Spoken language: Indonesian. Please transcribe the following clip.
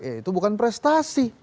itu bukan prestasi